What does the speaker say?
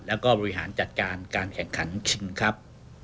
แล้วก็บริหารจัดการการแข่งขันคิงครับ